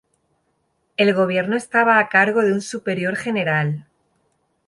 El gobierno estaba a cargo de un superior general.